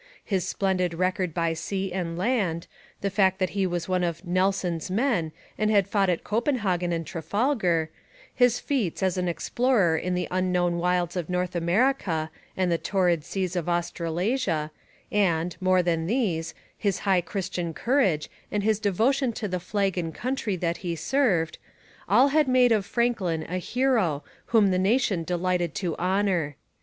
His splendid record by sea and land, the fact that he was one of 'Nelson's men' and had fought at Copenhagen and Trafalgar, his feats as an explorer in the unknown wilds of North America and the torrid seas of Australasia, and, more than these, his high Christian courage and his devotion to the flag and country that he served all had made of Franklin a hero whom the nation delighted to honour.